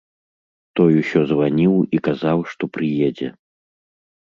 Той усё званіў і казаў, што прыедзе.